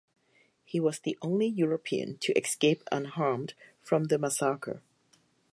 He was the only European to escape unharmed from the massacre.